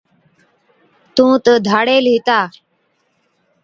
تُون تہ ڌاڙيل هِتا،